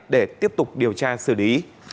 để tiếp tục điều tra xử lý